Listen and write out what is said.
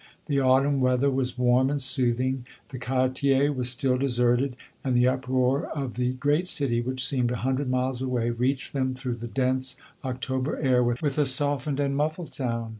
The autumn weather was warm and soothing, the quartier was still deserted, and the uproar of the great city, which seemed a hundred miles away, reached them through the dense October air with a softened and muffled sound.